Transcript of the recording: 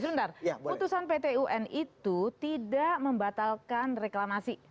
sudah sudah putusan pt un itu tidak membatalkan reklamasi